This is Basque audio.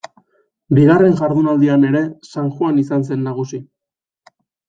Bigarren jardunaldian ere San Juan izan zen nagusi.